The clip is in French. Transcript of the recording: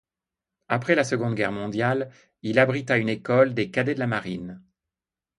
Après la Seconde Guerre mondiale, il abrita une école des cadets de la marine.